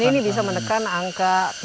dan ini bisa menekan angka pengangguran